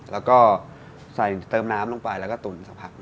แล้วก็ใส่เติมน้ำลงไปแล้วก็ตุ๋นสักพัก